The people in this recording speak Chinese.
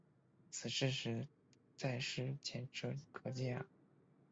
此事实在是前车可鉴啊。